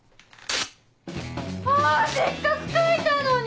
せっかく書いたのに！